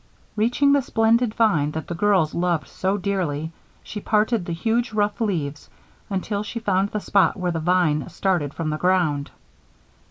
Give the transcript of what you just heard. Reaching the splendid vine that the girls loved so dearly, she parted the huge, rough leaves until she found the spot where the vine started from the ground.